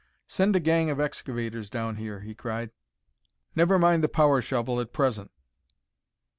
"Send a gang of excavators down here," he cried. "Never mind the power shovel at present."